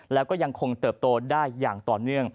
แล้วก็ยังคงเติบโตได้อย่างต่อเนื่อง